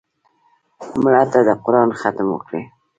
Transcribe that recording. مړه ته د قرآن ختم وکړې